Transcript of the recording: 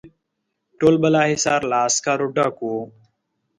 ټول بالاحصار له عسکرو ډک وو.